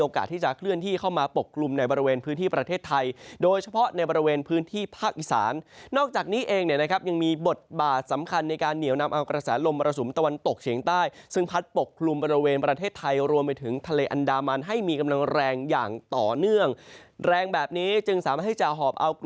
ที่จะเคลื่อนที่เข้ามาปกกลุ่มในบริเวณพื้นที่ประเทศไทยโดยเฉพาะในบริเวณพื้นที่ภาคอีสานนอกจากนี้เองเนี่ยนะครับยังมีบทบาทสำคัญในการเหนียวนำเอากระแสลมมรสุมตะวันตกเฉียงใต้ซึ่งพัดปกคลุมบริเวณประเทศไทยรวมไปถึงทะเลอันดามันให้มีกำลังแรงอย่างต่อเนื่องแรงแบบนี้จึงสามารถที่จะหอบเอาก